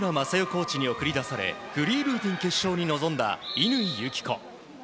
コーチに送り出されフリー・ルーティン決勝に臨んだ乾友紀子。